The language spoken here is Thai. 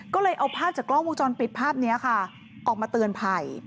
ก็เลยเอาภาพจากกล้องวงจรปิดภาพนี้ค่ะออกมาเตือนภัย